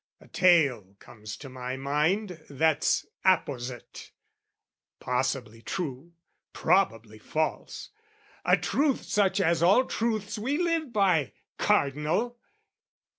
A tale comes to my mind that's apposite Possibly true, probably false, a truth Such as all truths we live by, Cardinal!